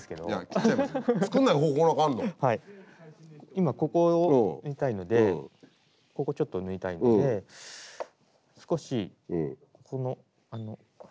今ここを縫いたいのでここちょっと縫いたいので少しこの破れの間から。